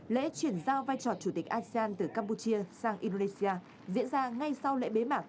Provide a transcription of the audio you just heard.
lễ chuyển giao vai trò chủ tịch asean từ campuchia sang indonesia diễn ra ngay sau lễ bế mạc